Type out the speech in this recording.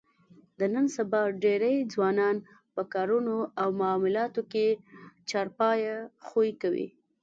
د نن سبا ډېری ځوانان په کارونو او معاملاتو کې چارپایه خوی کوي.